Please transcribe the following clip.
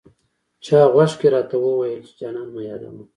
چا غوږ کې راته وویې چې جانان مه یادوه.